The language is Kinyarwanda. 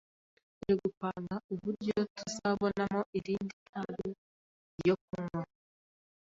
turi gupanga uburyo tuzabonamo irindi tabi ryo kunywa